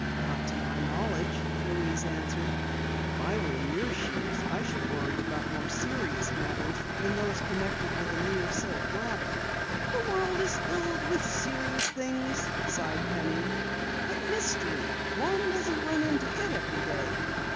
"Not to my knowledge," Louise answered. "If I were in your shoes I should worry about more serious matters than those connected with a mere silk ladder." "The world is filled with serious things," sighed Penny. "But mystery! One doesn't run into it every day."